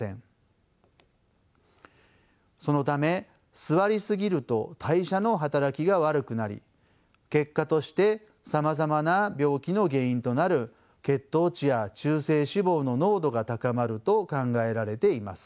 そのため座りすぎると代謝の働きが悪くなり結果としてさまざまな病気の原因となる血糖値や中性脂肪の濃度が高まると考えられています。